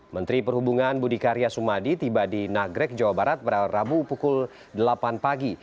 menteri perhubungan budi karya sumadi tiba di nagreg jawa barat berabu pukul delapan pagi